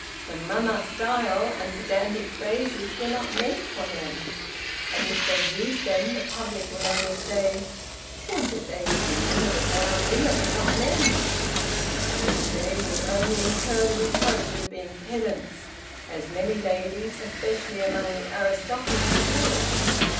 The Manna style and pedantic phrases were not meant for them; and, if they use them, the public will only say, 'would that they would remember that they are women and not men,' and they would only incur the reproach of being pedants, as many ladies, especially among the aristocracy, do.